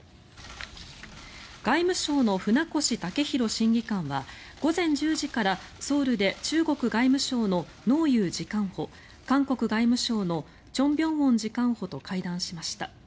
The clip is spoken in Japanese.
外務省の船越健裕審議官は午前１０時からソウルで中国外務省のノウ・ユウ次官補韓国外務省のチョン・ビョンウォン次官補と会談しました。